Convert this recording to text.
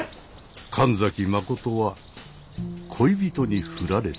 神崎真は恋人に振られた。